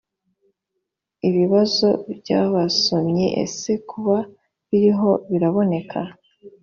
ibibazo by abasomyi ese kuba biriho biraboneka?